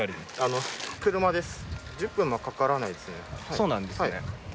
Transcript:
そうなんですね。